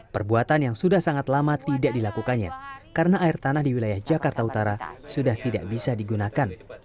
perbuatan yang sudah sangat lama tidak dilakukannya karena air tanah di wilayah jakarta utara sudah tidak bisa digunakan